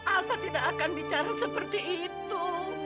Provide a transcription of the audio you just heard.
alfa tidak akan bicara seperti itu